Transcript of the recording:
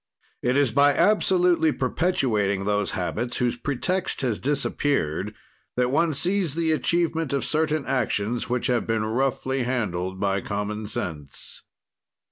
It is by absolutely perpetuating those habits, whose pretext has disappeared, that one sees the achievement of certain actions which have been roughly handled by common sense.